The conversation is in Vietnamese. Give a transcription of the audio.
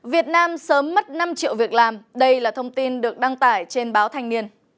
việt nam sớm mất năm triệu việc làm đây là thông tin được đăng tải trên báo thanh niên